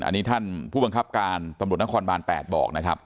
อันนี้ท่านผู้บังคับการตำรวจนครบาน๘บอกนะครับ